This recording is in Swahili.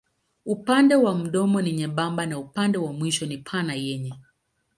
Upande wa mdomo ni nyembamba na upande wa mwisho ni pana yenye.